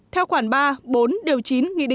theo quản ba bốn điều chỉnh nổi bật